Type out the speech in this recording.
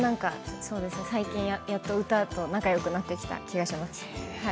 最近やっと歌と仲よくなってきた気がします。